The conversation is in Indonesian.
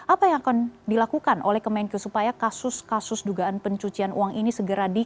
apa yang akan dilakukan oleh kemenkyu supaya kasus kasus dugaan pencucian uang ini segera di